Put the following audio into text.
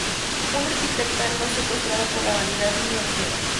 Una arquitectura no secuestrada por la vanidad ni el dinero".